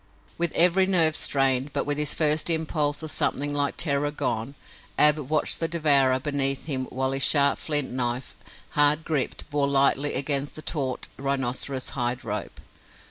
With every nerve strained, but with his first impulse of something like terror gone, Ab watched the devourer beneath him while his sharp flint knife, hard gripped, bore lightly against the taut rhinoceros hide rope.